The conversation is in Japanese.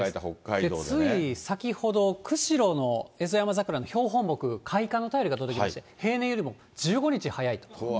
つい先ほど、釧路のエゾヤマザクラの標本木、開花の便りが届きまして、平年よりも１５日早い。